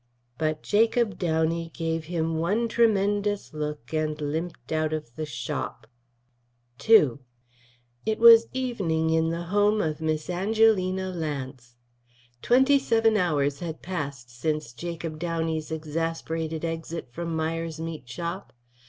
But Jacob Downey gave him one tremendous look and limped out of the shop. II It was evening in the home of Miss Angelina Lance. Twenty seven hours had passed since Jacob Downey's exasperated exit from Myers's Meat Shop.